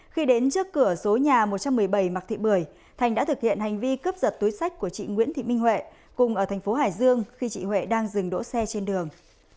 khi đến trước cửa số nhà một trăm một mươi bảy mạc thị bưởi thành đã thực hiện hành vi cướp giật túi sách của chị nguyễn thị minh huệ cùng ở thành phố hải dương khi chị huệ đang dừng đỗ xe trên đường